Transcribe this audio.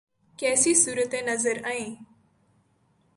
کیسی صورتیں نظر آئیں؟